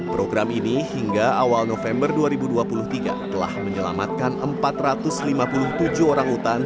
program ini hingga awal november dua ribu dua puluh tiga telah menyelamatkan empat ratus lima puluh tujuh orang utan